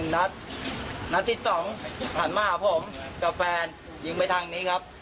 นัดทิศ๒ผ่านมาหาผมกับแฟนยิงไปทางนี้ครับ